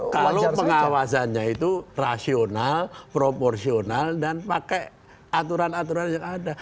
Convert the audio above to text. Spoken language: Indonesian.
kalau pengawasannya itu rasional proporsional dan pakai aturan aturan yang ada